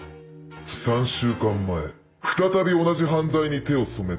３週間前再び同じ犯罪に手を染めた。